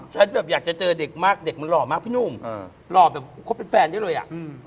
ฉันแบบอยากจะเจอเด็กมากเด็กมันหล่อมากพี่หนุ่มหล่อแบบคบเป็นแฟนได้เลยอ่ะอืม